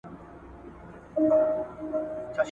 بیرته منصوري ځنځیر له ښار څخه ایستلی یم !.